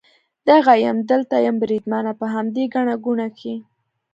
دغه یم، دلته یم بریدمنه، په همدې ګڼه ګوڼه کې.